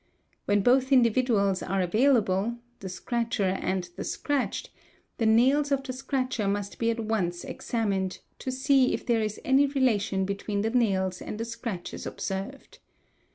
When both individuals are — WOUNDS BY SHARP INSTRUMENTS 628 available—the scratcher and the scratched—the nails of the scratcher must be at once examined, to see if there is any relation between the nails j and the scratches observed.